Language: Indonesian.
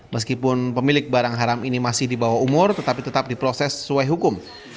meskipun pemilik barang haram ini masih di bawah umur tetapi tetap diproses sesuai hukum